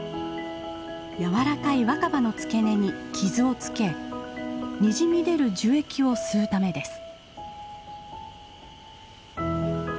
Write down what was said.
柔らかい若葉の付け根に傷をつけにじみ出る樹液を吸うためです。